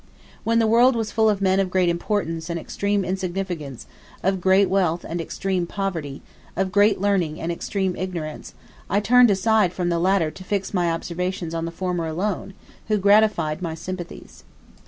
When the world was full of men of great importance and extreme insignificance, of great wealth and extreme poverty, of great learning and extreme ignorance, I turned aside from the latter to fix my observation on the former alone, who gratified my sympathies.